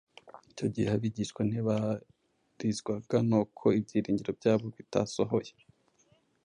Icyo gihe abigishwa ntibarizwaga n’uko ibyiringiro byabo bitasohoye.